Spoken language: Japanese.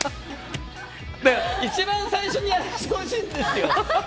一番最初にやらせてほしいんですよ。